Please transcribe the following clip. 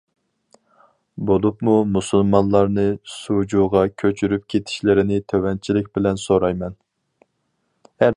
بولۇپمۇ مۇسۇلمانلارنى سۇجۇغا كۆچۈرۈپ كېتىشلىرىنى تۆۋەنچىلىك بىلەن سورايمەن.